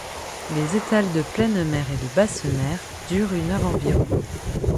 Les étales de pleine mer et de basse mer durent une heure environ.